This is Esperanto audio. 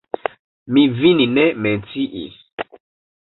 Mi vin ne menciis.